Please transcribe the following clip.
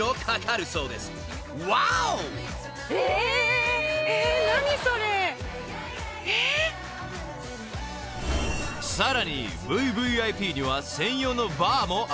［さらにＶＶＩＰには専用のバーもあります］